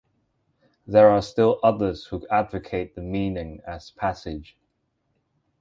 There are still others who advocate the meaning as "passage".